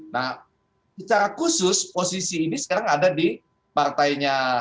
nah secara khusus posisi ini sekarang ada di partainya